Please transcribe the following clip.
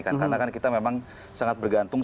karena kita memang sangat bergantung